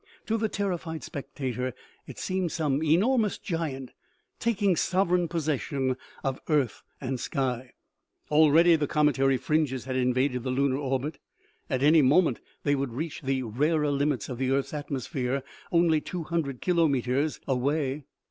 To the terrified spectator it seemed some enormous giant, taking sovereign possession of earth and sky. Already the cometary fringes had invaded the lunar orbit. At any moment they would reach the rarer limits of the earth's atmosphere, only two hundred kilometers away.